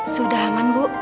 sudah aman bu